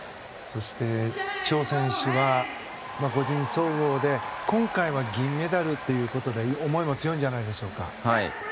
そして、チョウ選手は個人総合で今回は銀メダルということで思いも強いんじゃないですか？